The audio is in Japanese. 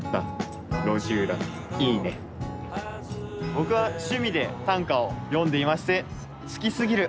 僕は趣味で短歌を詠んでいまして好きすぎる